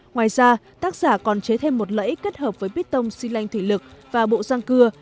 ngoài ra tác giả còn chế thêm một lẫy kết hợp với pít tông xi lanh thủy lực và bộ giang cưa